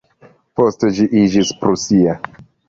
Poste ĝi iĝis prusia.